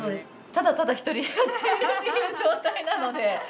ただただ一人でやってるっていう状態なので。